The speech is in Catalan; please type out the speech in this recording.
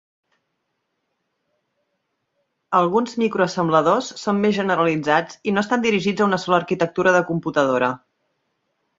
Alguns microassembladors són més generalitzats i no estan dirigits a una sola arquitectura de computadora.